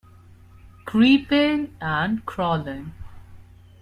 Creeping and crawling.